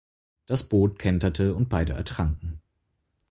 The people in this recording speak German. Das Boot kenterte und beide ertranken.